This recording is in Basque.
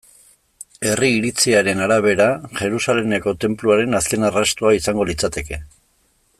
Herri iritziaren arabera, Jerusalemeko Tenpluaren azken arrastoa izango litzateke.